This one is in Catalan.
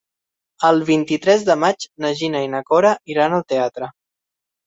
El vint-i-tres de maig na Gina i na Cora iran al teatre.